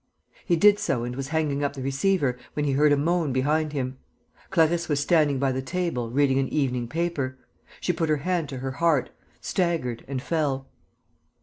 He did so and was hanging up the receiver, when he heard a moan behind him. Clarisse was standing by the table, reading an evening paper. She put her hand to her heart, staggered and fell.